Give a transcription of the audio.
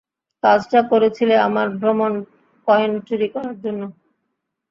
কাজটা করেছিলে আমার ভ্রমণ কয়েন চুরি করার জন্য।